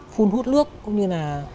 phun hút nước cũng như là